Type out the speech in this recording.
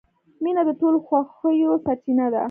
• مینه د ټولو خوښیو سرچینه ده.